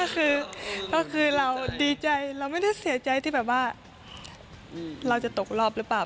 ก็คือเราดีใจเราไม่ได้เสียใจที่แบบว่าเราจะตกรอบหรือเปล่า